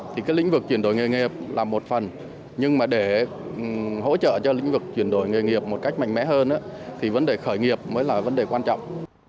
thì cái lĩnh vực chuyển đổi nghề nghiệp là một phần nhưng mà để hỗ trợ cho lĩnh vực chuyển đổi nghề nghiệp một cách mạnh mẽ hơn thì vấn đề khởi nghiệp mới là vấn đề quan trọng